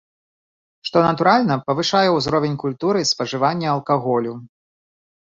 Што, натуральна, павышае ўзровень культуры спажывання алкаголю.